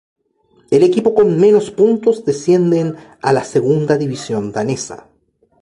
El equipo con menos puntos descienden a la Segunda División Danesa.